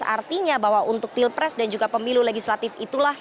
artinya bahwa untuk pilpres dan juga pemilu legislatif itulah